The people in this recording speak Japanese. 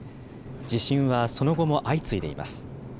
地震はその後も相次いでいます。